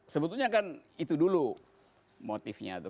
sebetulnya kan itu dulu motifnya itu